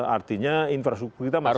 artinya infrastruktur kita masih